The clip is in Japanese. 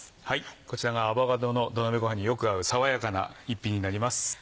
こちらがアボカドの土鍋ごはんによく合う爽やかな一品になります。